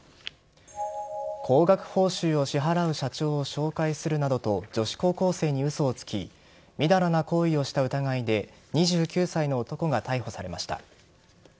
高額報酬を支払う社長を紹介するなどと女子高校生に嘘をつきみだらな行為をした疑いで２９歳の男が逮捕されました。